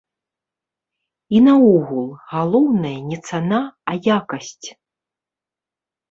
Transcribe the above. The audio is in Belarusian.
І наогул, галоўнае не цана, а якасць.